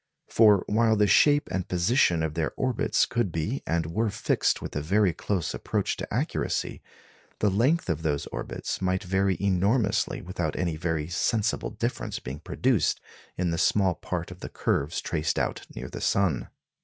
For while the shape and position of their orbits could be and were fixed with a very close approach to accuracy, the length of those orbits might vary enormously without any very sensible difference being produced in the small part of the curves traced out near the sun.